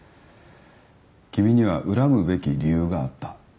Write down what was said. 君には恨むべき理由があった。